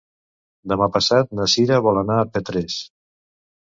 Demà passat na Cira vol anar a Petrés.